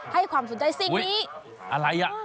ให้ความสนใจสิ่งนี้อะไรอ่ะ